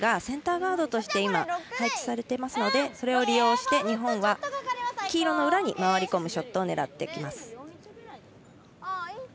センターガードとして配置されていますのでそれを利用して日本は黄色の裏に回り込むショットを狙ってきます。